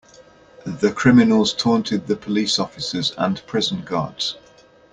The criminals taunted the police officers and prison guards.